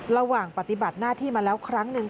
ระหว่างปฏิบัติหน้าที่มาแล้วครั้งหนึ่ง